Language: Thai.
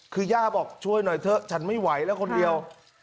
คือย่าบอกช่วยหน่อยเถอะฉันไม่ไหวแล้วคนเดียว